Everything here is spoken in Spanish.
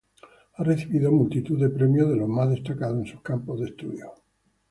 Ha recibido multitud de premios de los más destacados en sus campos de estudio.